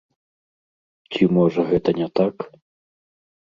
Ці, можа, гэта не так?